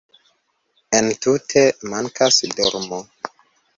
Entute mankas dormo